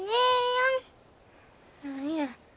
何や。